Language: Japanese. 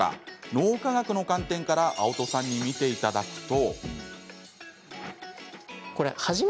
脳科学の観点から青砥さんに見ていただくと。